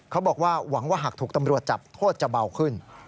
เขาบอกว่าหวังว่าหากถูกตำรวจจับโทษจะเบาขึ้น